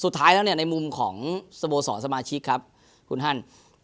สุดท้ายแล้วเนี่ยในมุมของสโมสรสมาชิกครับคุณฮั่น